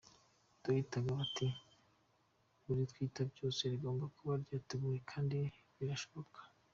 Dr Agaba ati “Buri twita ryose rigomba kuba ryateguwe kandi birashoboka”.